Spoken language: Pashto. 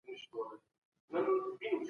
ښوونکی د زدهکوونکو سره صمیمي اړیکه ساتي.